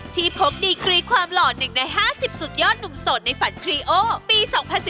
พกดีกรีความหล่อ๑ใน๕๐สุดยอดหนุ่มโสดในฝันทรีโอปี๒๐๑๙